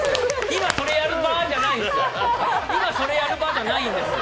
今それやる場じゃないんですよ。